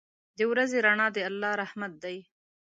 • د ورځې رڼا د الله رحمت دی.